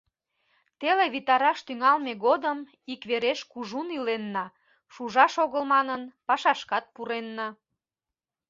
Теле витараш тӱҥалме годым ик вереш кужун иленна, шужаш огыл манын, пашашкат пуренна.